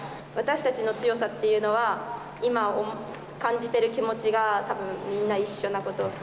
私たちの強さっていうのは、今、感じてる気持ちがたぶん、みんな一緒なこと。